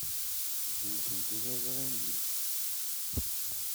Ssenzen tiliẓri-nni.